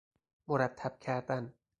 مرتب کردن